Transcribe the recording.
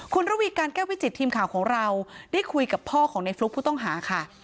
คุณระวีการแก้ววิจิตทีมข่าวของเราได้คุยกับพ่อของในฟลุ๊กผู้ต้องหาค่ะ